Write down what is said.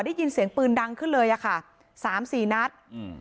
ได้ยินเสียงปืนดังขึ้นเลยอ่ะค่ะสามสี่นัดอืม